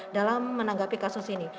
dalam menanggapi kasus ini